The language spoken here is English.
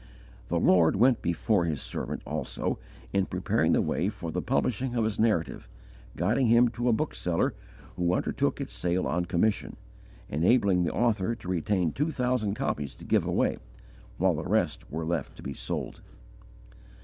The Lord went before His servant also in preparing the way for the publishing of his Narrative, guiding him to a bookseller who undertook its sale on commission, enabling the author to retain two thousand copies to give away, while the rest were left to be sold.